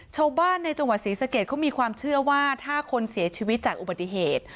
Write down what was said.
ชาวบ้านในจังหวัดศรีสะเกดเขามีความเชื่อว่าถ้าคนเสียชีวิตจากอุบัติเหตุ